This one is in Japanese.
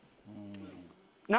何？